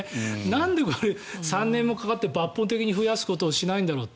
なんでこれ、３年もかかって抜本的に増やすことをしないんだろう。